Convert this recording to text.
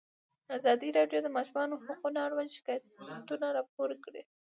ازادي راډیو د د ماشومانو حقونه اړوند شکایتونه راپور کړي.